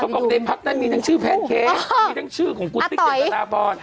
เขาก็บอกในพักนั้นมีทั้งชื่อแพนเคมีทั้งชื่อของกูติ๊กเดี๋ยวดาราบอร์ด